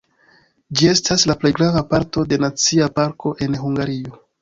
Ĝi estas la plej grava parto de nacia parko en Hungario.